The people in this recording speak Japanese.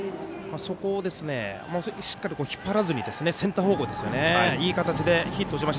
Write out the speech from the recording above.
そこをしっかり引っ張らずにセンター方向ですよね。